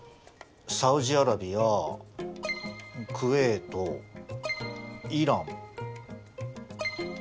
サウジアラビアクウェートイラン。